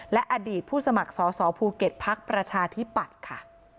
และอดีตผู้สมัครสอสอภูเก็ตพักประชาธิปัตย์ค่ะ